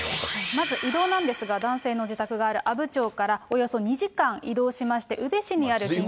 まず移動なんですが、男性の自宅がある阿武町からおよそ２時ずいぶん移動しましたね。